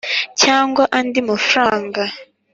Cyangwa andi mafaranga